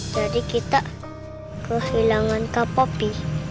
jadi kita kehilangan kak poppy